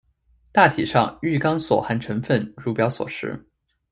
大体上玉钢所含成分如表所示。